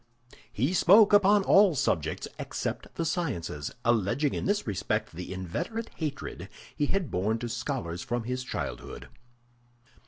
He spoke upon all subjects except the sciences, alleging in this respect the inveterate hatred he had borne to scholars from his childhood.